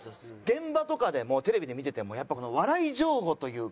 現場とかでもテレビで見ててもやっぱ笑い上戸というか。